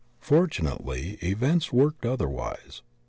Fortunately, events worked other wise.